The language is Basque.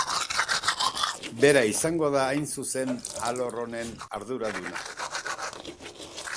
Bera izango da, hain zuzen, alor honen arduraduna.